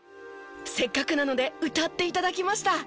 せっかくなので歌って頂きました。